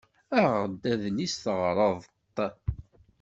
Aɣ-d adlis teɣreḍ-t.